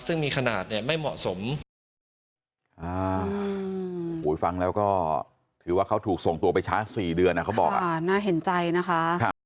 ซึ่งมีขนาดเนี่ยไม่เหมาะสม